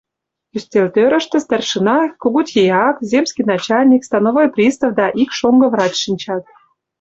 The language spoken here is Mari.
Ӱстелтӧрыштӧ старшина, кугу тияк, земский начальник, становой пристав да ик шоҥго врач шинчат.